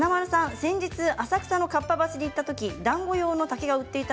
先日浅草のかっぱ橋に行ったときにだんご用の竹が売っていました。